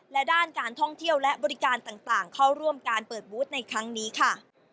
และบริการต่างเข้าร่วมการเปิดบุ๊ธในครั้งนี้ค่ะ